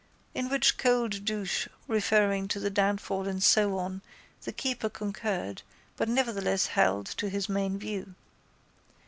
To which cold douche referring to downfall and so on the keeper concurred but nevertheless held to his main view.